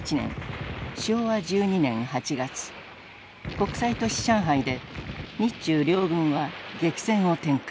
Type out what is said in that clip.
国際都市上海で日中両軍は激戦を展開。